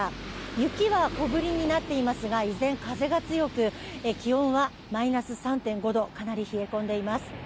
雪は小降りになっていますが、依然、風が強く気温はマイナス３．５度かなり冷え込んでいます。